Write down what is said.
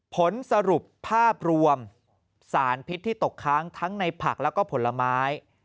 ผลสรุปภาพรวมสารพิษที่ตกค้างทั้งในผักแล้วก็ผลไม้